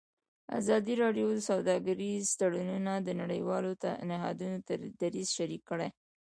ازادي راډیو د سوداګریز تړونونه د نړیوالو نهادونو دریځ شریک کړی.